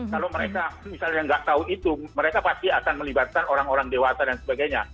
kalau mereka misalnya nggak tahu itu mereka pasti akan melibatkan orang orang dewasa dan sebagainya